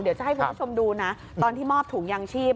เดี๋ยวจะให้คุณผู้ชมดูนะตอนที่มอบถุงยางชีพ